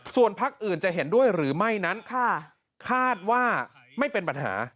ส่วนพักอื่นจะเห็นด้วยหรือไม่นั้นคาดว่าไม่เป็นปัญหา